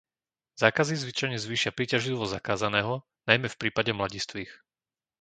Zákazy zvyčajne zvýšia príťažlivosť zakázaného, najmä v prípade mladistvých.